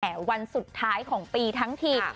แต่วันสุดท้ายของปีทั้งที